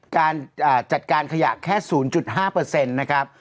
การจัดการขยะแค่๐๕นะครับ